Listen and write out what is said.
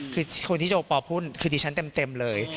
คือคนที่จะโอปอลพูดคือดิฉันเต็มเลย